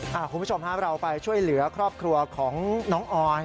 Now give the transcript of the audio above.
คุณผู้ชมครับเราไปช่วยเหลือครอบครัวของน้องออย